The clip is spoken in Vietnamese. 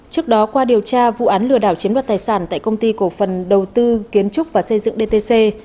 trước đó qua điều tra vụ án lừa đảo chiếm đoạt tài sản tại công ty cổ phần đầu tư kiến trúc và xây dựng dtc